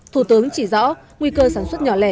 thủ tướng chỉ rõ nguy cơ sản xuất nhỏ lẻ